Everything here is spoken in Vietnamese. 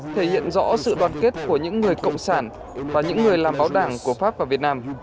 thể hiện rõ sự đoàn kết của những người cộng sản và những người làm báo đảng của pháp và việt nam